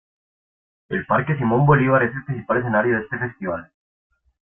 El parque Simón Bolívar es el principal escenario de este festival.